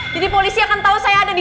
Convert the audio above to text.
jadi polisi akan tau saya ada di mobilnya